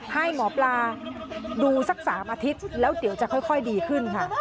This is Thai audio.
ให้หมอปลาดูสัก๓อาทิตย์แล้วเดี๋ยวจะค่อยดีขึ้นค่ะ